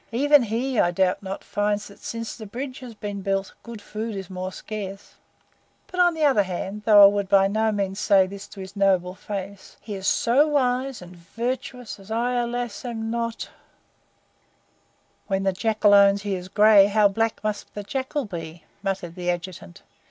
"Even he, I doubt not, finds that since the bridge has been built good food is more scarce. But on the other hand, though I would by no means say this to his noble face, he is so wise and so virtuous as I, alas I am not " "When the Jackal owns he is gray, how black must the Jackal be!" muttered the Adjutant.